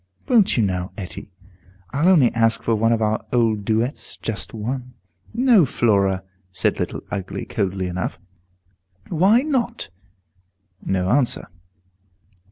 "Won't you now, Etty? I'll only ask for one of our old duets, just one." "No, Flora," said Little Ugly, coldly enough. "Why not?" No answer.